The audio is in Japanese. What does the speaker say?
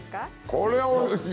これはおいしい！